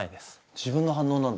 自分の反応なんだ。